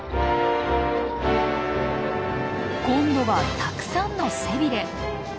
今度はたくさんの背びれ！